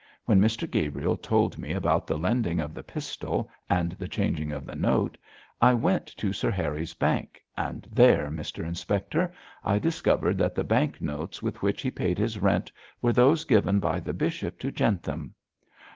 When Mr Gabriel told me about the lending of the pistol and the changing of the note, I went to Sir Harry's bank, and there, Mr Inspector, I discovered that the bank notes with which he paid his rent were those given by the bishop to Jentham.